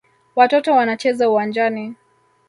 Watoto wanacheza uwanjani.